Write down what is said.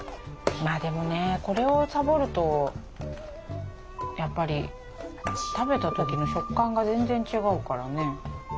まあでもねこれをサボるとやっぱり食べた時の食感が全然違うからね